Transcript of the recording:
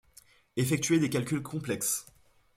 Effectuez des calculs complexes.